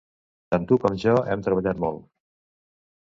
Tant tu com jo hem treballat molt